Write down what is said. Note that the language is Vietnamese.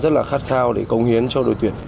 rất là khát khao để công hiến cho đội tuyển